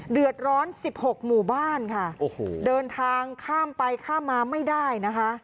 เดือดร้อนสิบหกหมู่บ้านค่ะโอ้โหเดินทางข้ามไปข้ามมาไม่ได้นะคะ